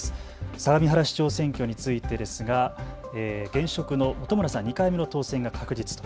相模原市長選挙についてですが現職の本村さん、２回目の当選が確実と。